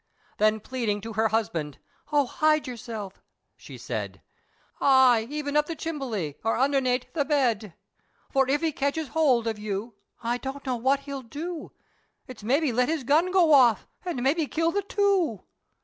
Then, pleading to her husband "O hide yerself!" she said, "Aye even up the chimbledy, or undhernate the bed! For if he ketches howld of you, I don't know what he'll do, It's maybe let his gun go off, an' maybe kill the two!